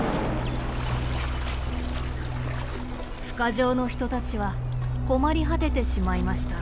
ふ化場の人たちは困り果ててしまいました。